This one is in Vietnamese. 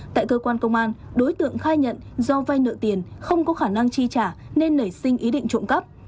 tại cơ quan công an đối tượng khai nhận do vai nợ tiền không có khả năng chi trả nên nảy sinh ý định trộm cắp